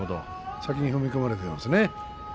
先に踏み込まれています。